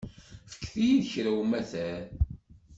Fket-iyi-d kra umatar.